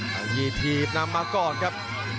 เฮ้ยยยยยยทีฟนำมากก่อนครับ